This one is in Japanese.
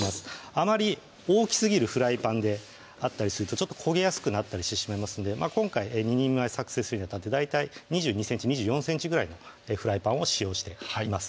あまり大きすぎるフライパンであったりするとちょっと焦げやすくなったりしてしまいますので今回２人前作成するにあたって大体２２ｃｍ・２４ｃｍぐらいのフライパンを使用しています